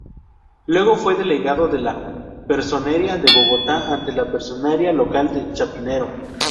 Luego fue delegado de la Personería de Bogotá ante la Personería Local de Chapinero.